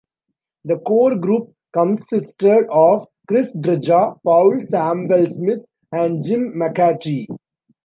The core group comsisted of Chris Dreja, Paul Samwell-Smith, and Jim McCarty.